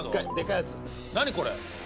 何これ！